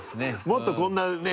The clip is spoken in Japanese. もっとこんなね